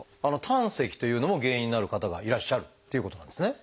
胆石というのも原因になる方がいらっしゃるっていうことなんですね。